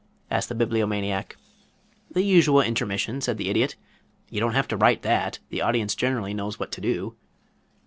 asked the Bibliomaniac. "The usual intermission," said the Idiot. "You don't have to write that. The audience generally knows what to do."